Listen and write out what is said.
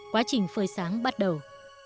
quá trình phơi sáng bắt đầu